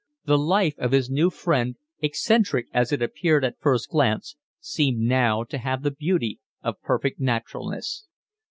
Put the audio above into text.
The life of his new friend, eccentric as it appeared at first glance, seemed now to have the beauty of perfect naturalness.